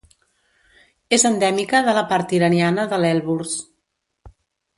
És endèmica de la part iraniana de l'Elburz.